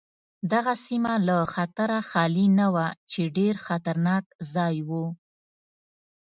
دغه سیمه له خطره خالي نه وه چې ډېر خطرناک ځای و.